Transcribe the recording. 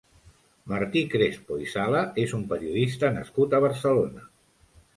Martí Crespo i Sala és un periodista nascut a Barcelona.